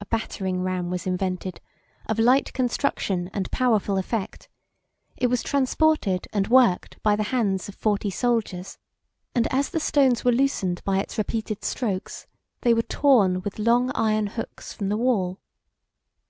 A battering ram was invented, of light construction and powerful effect: it was transported and worked by the hands of forty soldiers; and as the stones were loosened by its repeated strokes, they were torn with long iron hooks from the wall.